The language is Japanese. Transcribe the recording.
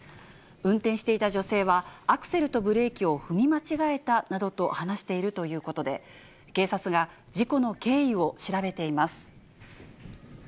運転していた女性は、アクセルとブレーキを踏み間違えたなどと話しているということで、警察が事故の経緯を調べています。